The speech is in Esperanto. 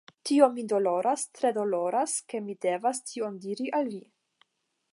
Tio min doloras, tre doloras, ke mi devas tion diri al vi.